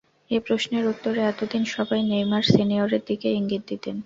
এ প্রশ্নের উত্তরে এত দিন সবাই নেইমার সিনিয়রের দিকেই ইঙ্গিত দিতেন।